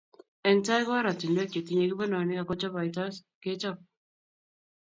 Eng tai ko orantiwek chetinyei kebenonik akochaibaitos kechop